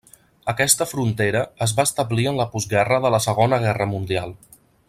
Aquesta frontera es va establir en la postguerra de la Segona Guerra Mundial.